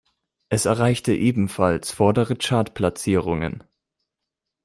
Es erreichte ebenfalls vordere Chartplatzierungen.